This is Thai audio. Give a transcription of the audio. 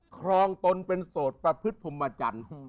ครองตนเป็นโสดประพฤติพรหมจันทร์